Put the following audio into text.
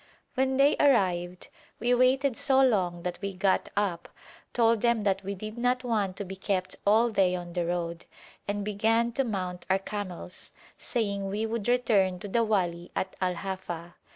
When they arrived we waited so long that we got up, told them that we did not want to be kept all day on the road, and began to mount our camels, saying we would return to the wali at Al Hafa.